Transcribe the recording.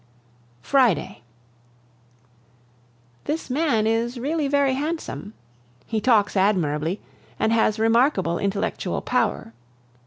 Friday. This man is really very handsome. He talks admirably, and has remarkable intellectual power.